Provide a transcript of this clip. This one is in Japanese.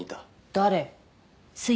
誰？